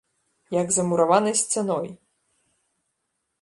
Як за мураванай сцяной!